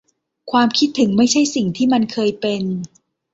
ความคิดถึงไม่ใช่สิ่งที่มันเคยเป็น